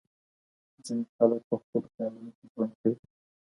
ځينې خلګ په خپلو خيالونو کي ژوند کوي.